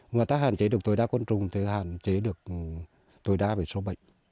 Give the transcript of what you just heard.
và ta hạn chế được tối đa côn trùng thì hạn chế được tối đa về sâu bệnh